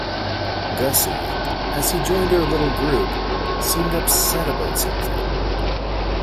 Gussie, as he joined our little group, seemed upset about something.